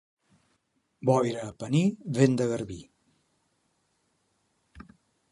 Boira a Pení, vent de garbí.